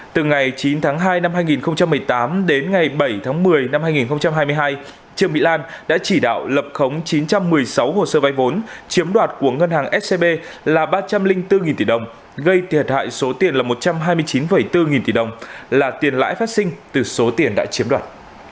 từ ngày chín tháng hai năm hai nghìn một mươi tám đến ngày bảy tháng một mươi năm hai nghìn hai mươi hai trương mỹ lan đã chỉ đạo lập khống chín trăm một mươi sáu hồ sơ vay vốn chiếm đoạt của ngân hàng scb là ba trăm linh bốn tỷ đồng gây thiệt hại số tiền là một trăm hai mươi chín bốn nghìn tỷ đồng là tiền lãi phát sinh từ số tiền đã chiếm đoạt